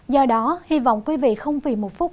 do đó hy vọng quý vị không vì một phút